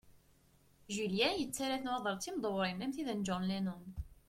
Julien yettarra nnwaḍer d timdewṛin am tid n John Lennon.